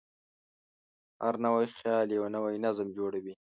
هر نوی خیال یو نوی نظم جوړوي.